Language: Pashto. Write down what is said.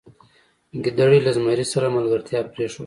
ګیدړې له زمري سره ملګرتیا پریښوده.